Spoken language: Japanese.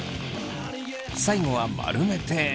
最後は丸めて。